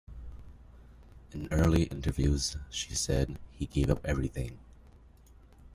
In early interviews, she said, He gave up everything...